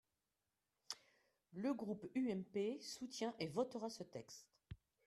Le groupe UMP soutient et votera ce texte.